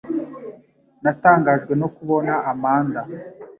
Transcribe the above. Natangajwe no kubona Amanda